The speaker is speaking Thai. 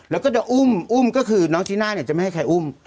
แล้วก็จะอุ้มอุ้มก็คือน้องจีน่าเนี่ยจะไม่ให้ใครอุ้ม